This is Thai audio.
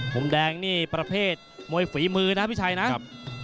มุมแดงนี่ประเภทมวยฝีมือนะพี่ชัยนะ